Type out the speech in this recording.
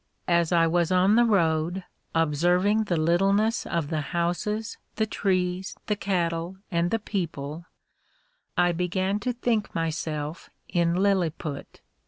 As I was on the road, observing the littleness of the houses, the trees, the cattle, and the people, I began to think myself in Lilliput.